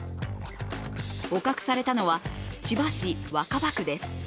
捕獲されたのは千葉市若葉区です。